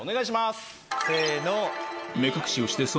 せの。